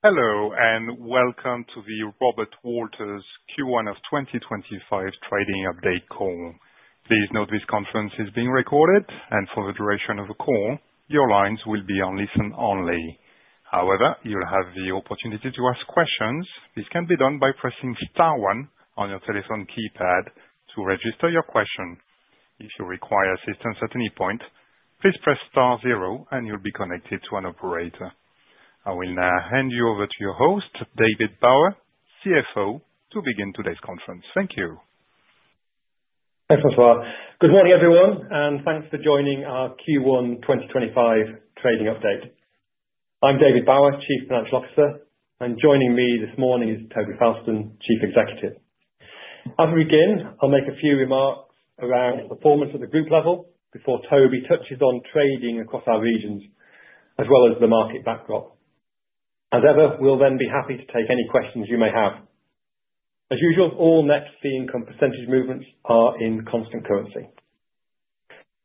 Hello, and welcome to the Robert Walters Q1 of 2025 trading update call. Please note this conference is being recorded, and for the duration of the call, your lines will be on listen only. However, you'll have the opportunity to ask questions. This can be done by pressing star one on your telephone keypad to register your question. If you require assistance at any point, please press star zero, and you'll be connected to an operator. I will now hand you over to your host, David Bower, CFO, to begin today's conference. Thank you. Thanks for the call. Good morning, everyone, and thanks for joining our Q1 2025 trading update. I'm David Bower, Chief Financial Officer, and joining me this morning is Toby Fowlston, Chief Executive. As we begin, I'll make a few remarks around performance at the group level before Toby touches on trading across our regions, as well as the market backdrop. As ever, we'll then be happy to take any questions you may have. As usual, all net fee income percentage movements are in constant currency.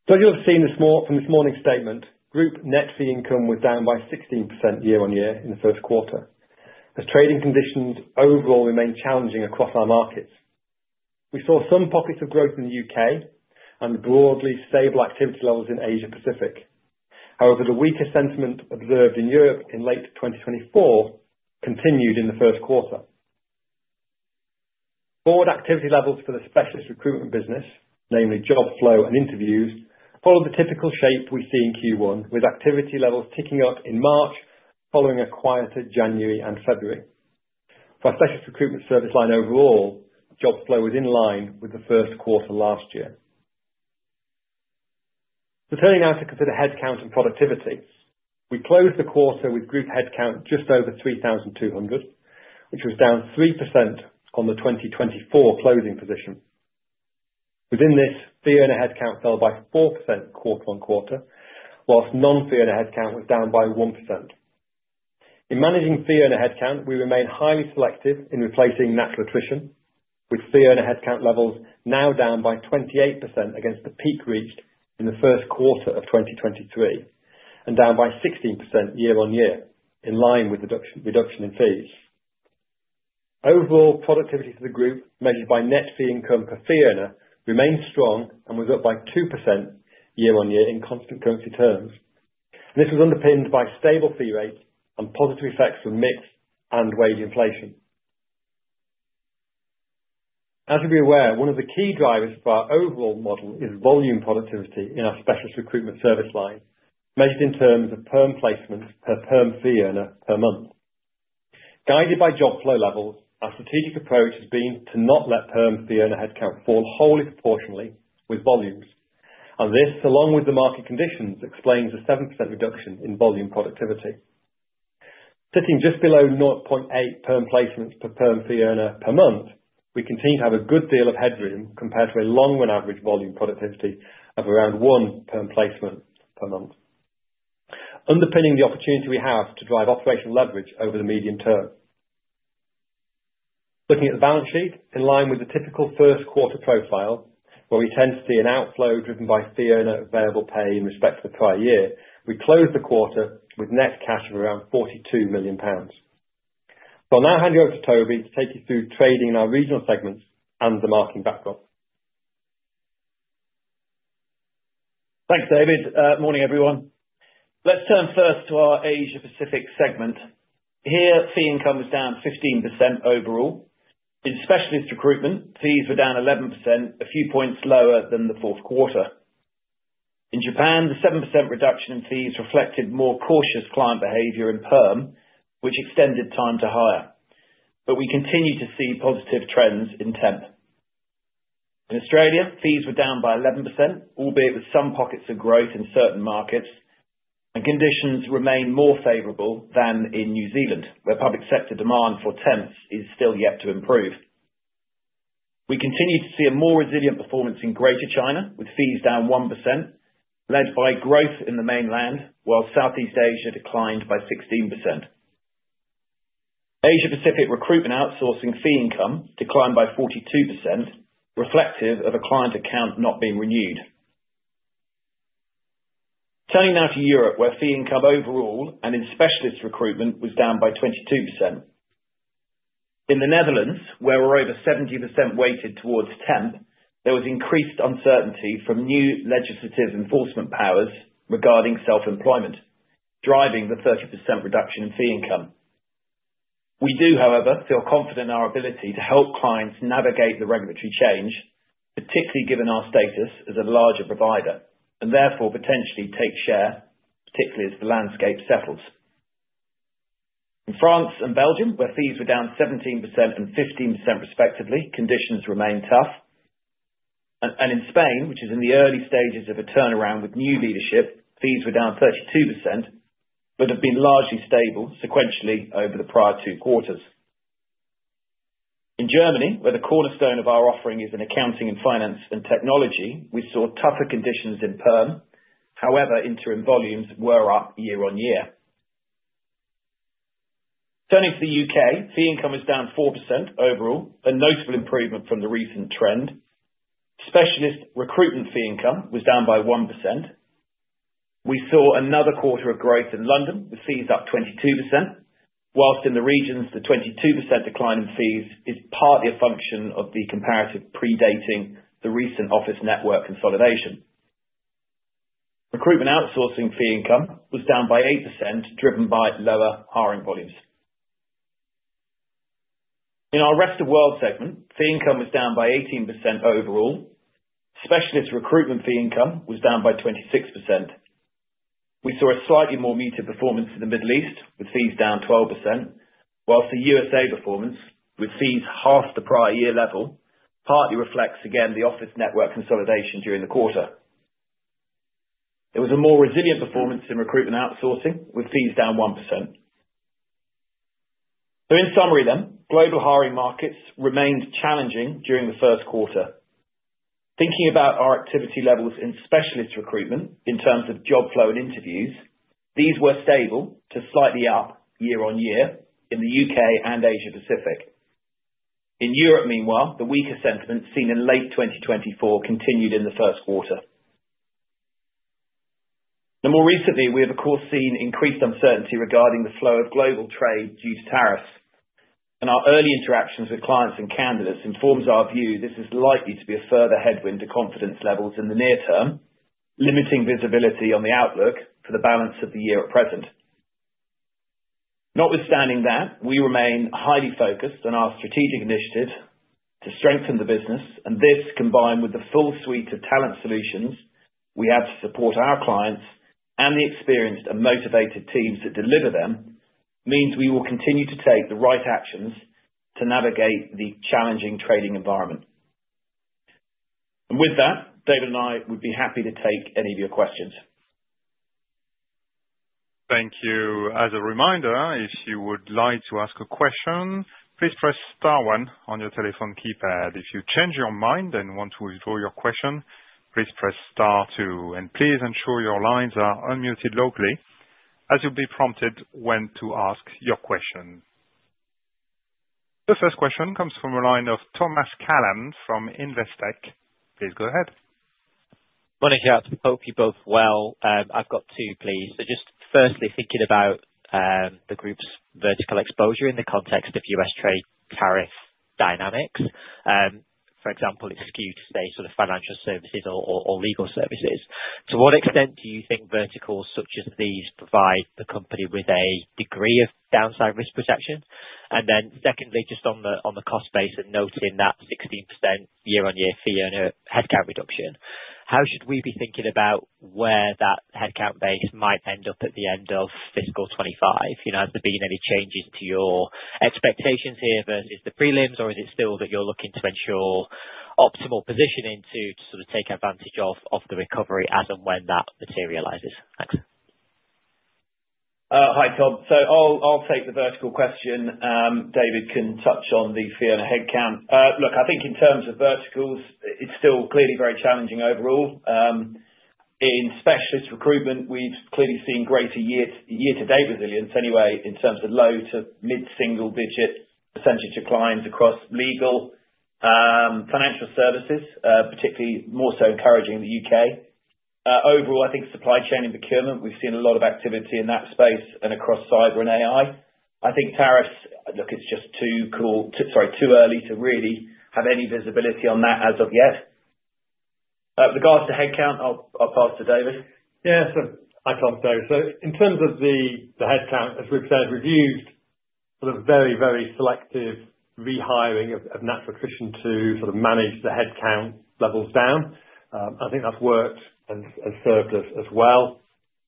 As you'll have seen from this morning's statement, group net fee income was down by 16% year-on-year in the first quarter, as trading conditions overall remained challenging across our markets. We saw some pockets of growth in the U.K. and broadly stable activity levels in Asia Pacific. However, the weaker sentiment observed in Europe in late 2024 continued in the first quarter. Broad activity levels for the specialist recruitment business, namely job flow and interviews, followed the typical shape we see in Q1, with activity levels ticking up in March following a quieter January and February. For our specialist recruitment service line overall, job flow was in line with the first quarter last year. Returning now to consider headcount and productivity, we closed the quarter with group headcount just over 3,200, which was down 3% on the 2024 closing position. Within this, fee owner headcount fell by 4% quarter on quarter, whilst non-fee owner headcount was down by 1%. In managing fee owner headcount, we remain highly selective in replacing natural attrition, with fee owner headcount levels now down by 28% against the peak reached in the first quarter of 2023 and down by 16% year-on-year, in line with reduction in fees. Overall productivity for the group, measured by net fee income per fee owner, remained strong and was up by 2% year-on-year in constant currency terms. This was underpinned by stable fee rates and positive effects from mix and wage inflation. As you'll be aware, one of the key drivers for our overall model is volume productivity in our specialist recruitment service line, measured in terms of per-employee placements per fee owner per month. Guided by job flow levels, our strategic approach has been to not let fee owner headcount fall wholly proportionally with volumes, and this, along with the market conditions, explains the 7% reduction in volume productivity. Sitting just below 0.8 per-employee placements per fee owner per month, we continue to have a good deal of headroom compared to a long-run average volume productivity of around one per-employee placement per month, underpinning the opportunity we have to drive operational leverage over the medium term. Looking at the balance sheet, in line with the typical first quarter profile, where we tend to see an outflow driven by fee owner variable pay in respect to the prior year, we closed the quarter with net cash of around 42 million pounds. I will now hand you over to Toby to take you through trading in our regional segments and the market backdrop. Thanks, David. Morning, everyone. Let's turn first to our Asia Pacific segment. Here, fee income was down 15% overall. In specialist recruitment, fees were down 11%, a few points lower than the fourth quarter. In Japan, the 7% reduction in fees reflected more cautious client behavior in perm, which extended time to hire, but we continue to see positive trends in temp. In Australia, fees were down by 11%, albeit with some pockets of growth in certain markets, and conditions remain more favorable than in New Zealand, where public sector demand for temps is still yet to improve. We continue to see a more resilient performance in Greater China, with fees down 1%, led by growth in the mainland, while Southeast Asia declined by 16%. Asia Pacific recruitment outsourcing fee income declined by 42%, reflective of a client account not being renewed. Turning now to Europe, where fee income overall and in specialist recruitment was down by 22%. In the Netherlands, where we're over 70% weighted towards temp, there was increased uncertainty from new legislative enforcement powers regarding self-employment, driving the 30% reduction in fee income. We do, however, feel confident in our ability to help clients navigate the regulatory change, particularly given our status as a larger provider, and therefore potentially take share, particularly as the landscape settles. In France and Belgium, where fees were down 17% and 15% respectively, conditions remain tough, and in Spain, which is in the early stages of a turnaround with new leadership, fees were down 32%, but have been largely stable sequentially over the prior two quarters. In Germany, where the cornerstone of our offering is in accounting and finance and technology, we saw tougher conditions in perm; however, interim volumes were up year-on-year. Turning to the U.K., fee income was down 4% overall, a notable improvement from the recent trend. Specialist recruitment fee income was down by 1%. We saw another quarter of growth in London, with fees up 22%, whilst in the regions, the 22% decline in fees is partly a function of the comparative predating the recent office network consolidation. Recruitment outsourcing fee income was down by 8%, driven by lower hiring volumes. In our rest of world segment, fee income was down by 18% overall. Specialist recruitment fee income was down by 26%. We saw a slightly more muted performance in the Middle East, with fees down 12%, whilst the U.S.A. performance, with fees half the prior year level, partly reflects again the office network consolidation during the quarter. There was a more resilient performance in recruitment outsourcing, with fees down 1%. In summary then, global hiring markets remained challenging during the first quarter. Thinking about our activity levels in specialist recruitment in terms of job flow and interviews, these were stable to slightly up year-on-year in the U.K. and Asia Pacific. In Europe, meanwhile, the weaker sentiment seen in late 2023 continued in the first quarter. More recently, we have, of course, seen increased uncertainty regarding the flow of global trade due to tariffs, and our early interactions with clients and candidates informs our view this is likely to be a further headwind to confidence levels in the near term, limiting visibility on the outlook for the balance of the year at present. Notwithstanding that, we remain highly focused on our strategic initiatives to strengthen the business, and this, combined with the full suite of talent solutions we have to support our clients and the experienced and motivated teams that deliver them, means we will continue to take the right actions to navigate the challenging trading environment. David and I would be happy to take any of your questions. Thank you. As a reminder, if you would like to ask a question, please press star one on your telephone keypad. If you change your mind and want to withdraw your question, please press star two, and please ensure your lines are unmuted locally as you'll be prompted when to ask your question. The first question comes from a line of Thomas Cullen from Investec. Please go ahead. Morning, guys. Hope you're both well. I've got two, please. Just firstly, thinking about the group's vertical exposure in the context of U.S. trade tariff dynamics. For example, it's skewed to say sort of financial services or legal services. To what extent do you think verticals such as these provide the company with a degree of downside risk protection? Secondly, just on the cost base and noting that 16% year-on-year fee owner headcount reduction, how should we be thinking about where that headcount base might end up at the end of fiscal 2025? Has there been any changes to your expectations here versus the prelims, or is it still that you're looking to ensure optimal positioning to sort of take advantage of the recovery as and when that materializes? Thanks. Hi, Tom. I'll take the vertical question. David can touch on the fee owner headcount. I think in terms of verticals, it's still clearly very challenging overall. In specialist recruitment, we've clearly seen greater year-to-date resilience anyway in terms of low to mid-single-digit percentage of clients across legal, financial services, particularly more so encouraging in the U.K. Overall, I think supply chain and procurement, we've seen a lot of activity in that space and across cyber and AI. I think tariffs, it's just too early to really have any visibility on that as of yet. Regards to headcount, I'll pass to David. Yeah, hi, Tom. In terms of the headcount, as we've said, we've used very, very selective rehiring of natural attrition to sort of manage the headcount levels down. I think that's worked and served us as well.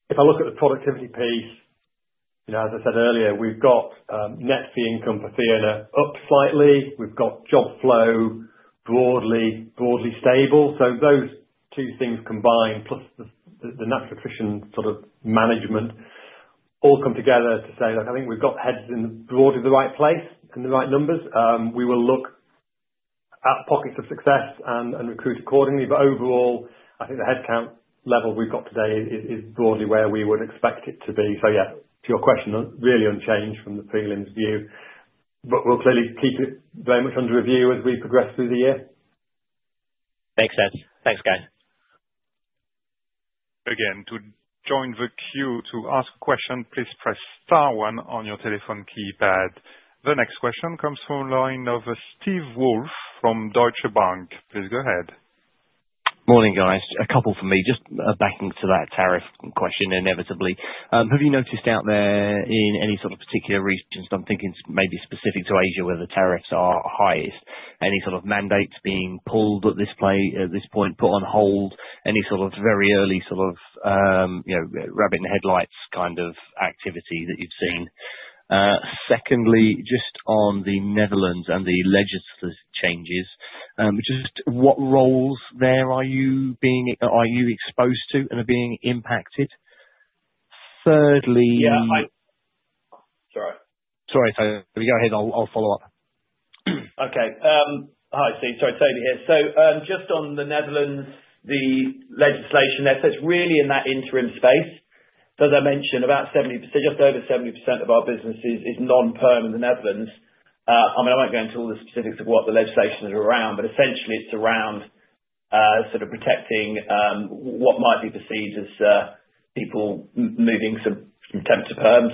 If I look at the productivity piece, as I said earlier, we've got net fee income per fee owner up slightly. We've got job flow broadly stable. Those two things combined, plus the natural attrition sort of management, all come together to say, look, I think we've got heads in broadly the right place and the right numbers. We will look at pockets of success and recruit accordingly, but overall, I think the headcount level we've got today is broadly where we would expect it to be. Yeah, to your question, really unchanged from the prelims view, but we'll clearly keep it very much under review as we progress through the year. Thanks, guys. Again, to join the queue to ask a question, please press star one on your telephone keypad. The next question comes from a line of Steve Woolf from Deutsche Bank. Please go ahead. Morning, guys. A couple for me, just backing to that tariff question inevitably. Have you noticed out there in any sort of particular regions, I'm thinking maybe specific to Asia where the tariffs are highest, any sort of mandates being pulled at this point, put on hold, any sort of very early sort of rabbit in the headlights kind of activity that you've seen? Secondly, just on the Netherlands and the legislative changes, just what roles there are you exposed to and are being impacted? Thirdly. Yeah, hi. Sorry. Sorry, Toby. Go ahead. I'll follow up. Okay. Hi, Steve. Sorry, Toby here. Just on the Netherlands, the legislation there, it is really in that interim space. As I mentioned, about 70%, just over 70% of our business is non-perm in the Netherlands. I mean, I won't go into all the specifics of what the legislation is around, but essentially, it is around sort of protecting what might be perceived as people moving from temp to perm.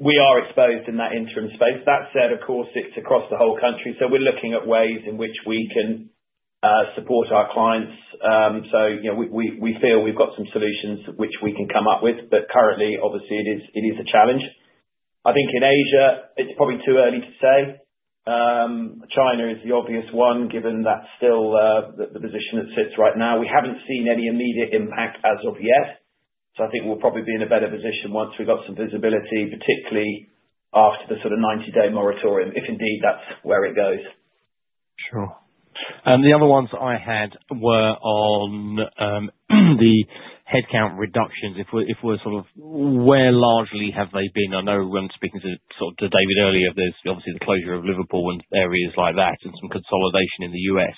We are exposed in that interim space. That said, of course, it is across the whole country, so we are looking at ways in which we can support our clients. We feel we have some solutions which we can come up with, but currently, obviously, it is a challenge. I think in Asia, it is probably too early to say. China is the obvious one, given that is still the position it sits right now. We haven't seen any immediate impact as of yet, so I think we'll probably be in a better position once we've got some visibility, particularly after the sort of 90-day moratorium, if indeed that's where it goes. Sure. The other ones I had were on the headcount reductions. If we're sort of where largely have they been? I know when speaking to David earlier, there's obviously the closure of Liverpool and areas like that and some consolidation in the US.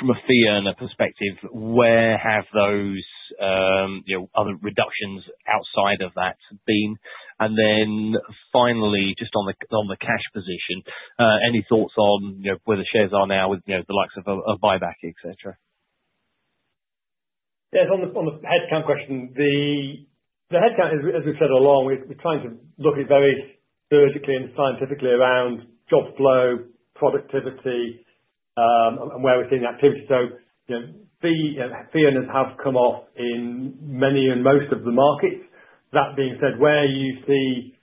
From a fee owner perspective, where have those other reductions outside of that been? Finally, just on the cash position, any thoughts on where the shares are now with the likes of buyback, etc.? Yeah, on the headcount question, the headcount, as we've said all along, we're trying to look at it very surgically and scientifically around job flow, productivity, and where we're seeing activity. Fee owners have come off in many and most of the markets. That being said, where you see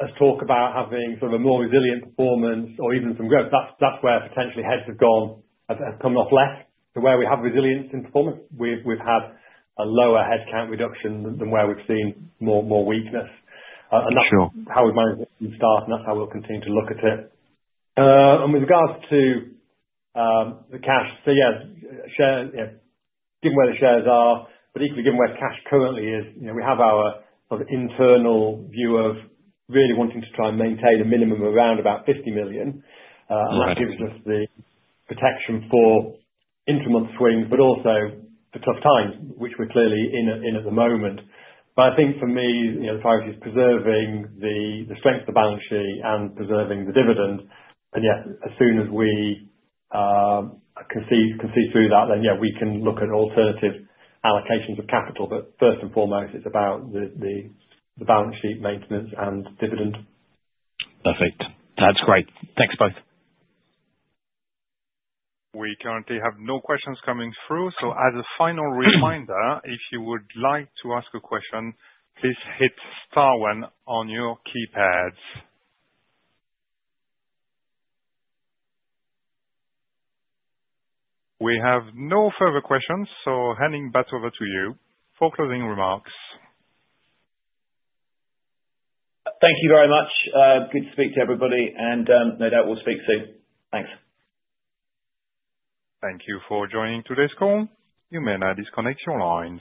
us talk about having sort of a more resilient performance or even some growth, that's where potentially heads have come off less. Where we have resilience in performance, we've had a lower headcount reduction than where we've seen more weakness. That's how we've managed it from the start, and that's how we'll continue to look at it. With regards to the cash, given where the shares are, but equally given where cash currently is, we have our sort of internal view of really wanting to try and maintain a minimum around about 50 million. That gives us the protection for interim month swings, but also for tough times, which we're clearly in at the moment. I think for me, the priority is preserving the strength of the balance sheet and preserving the dividend. Yeah, as soon as we can see through that, then yeah, we can look at alternative allocations of capital. First and foremost, it's about the balance sheet maintenance and dividend. Perfect. That's great. Thanks, both. We currently have no questions coming through. As a final reminder, if you would like to ask a question, please hit star one on your keypads. We have no further questions, handing back over to you for closing remarks. Thank you very much. Good to speak to everybody, and no doubt we'll speak soon. Thanks. Thank you for joining today's call. You may now disconnect your lines.